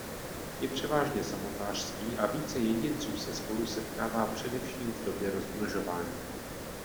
Je převážně samotářský a více jedinců se spolu setkává především v době rozmnožování.